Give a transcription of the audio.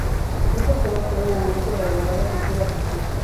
Dichos temas fueron el inicio de la llamada Cultura Tiki.